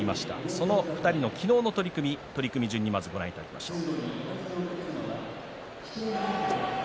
その２人の昨日の取組取組順にご覧いただきましょう。